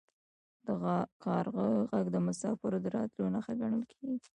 د کارغه غږ د مسافر د راتلو نښه ګڼل کیږي.